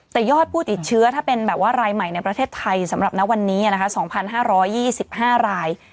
แต่ยอดผู้ติดเชื้อถ้าเป็นแบบว่ารายใหม่ในประเทศไทยสำหรับณวันนี้๒๕๒๕ราย